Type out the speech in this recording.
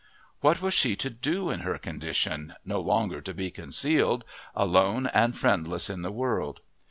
What was she to do in her condition, no longer to be concealed, alone and friendless in the world?